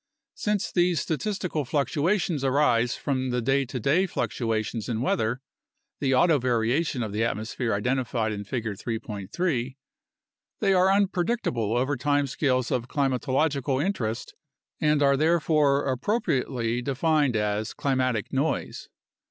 Since these statistical fluctuations arise from the day to day fluctuations in weather (the autovariation of the atmosphere identified in Figure 3.3), they are un predictable over time scales of climatological interest and are therefore appropriately defined as "climatic noise."